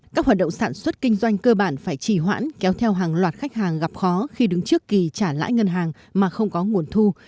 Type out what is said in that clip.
các hoạt động sản xuất kinh doanh cơ bản phải trì hoãn kéo theo hàng loạt khách hàng gặp khó khi đứng trước kỳ trả lãi ngân hàng mà không có nguồn thu